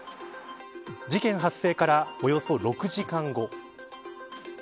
事件発生からおよそ６時間後。